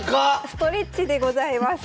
ストレッチでございます。